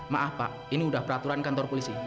maaf pak ini udah peraturan kantor polisi